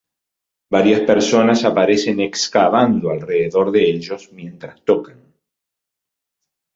Varias personas aparecen excavando alrededor de ellos mientras tocan.